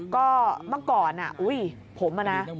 ก็เมื่อก่อนอุ๊ยผมอะนะ